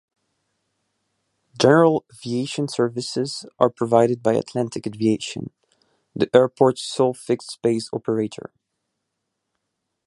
General aviation services are provided by Atlantic Aviation, the airport's sole fixed-base operator.